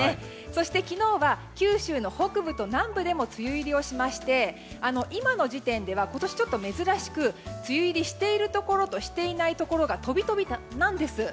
そして昨日は九州の北部と南部でも梅雨入りをしまして今の時点では、今年珍しくて梅雨入りしているところとしていないところが飛び飛びなんです。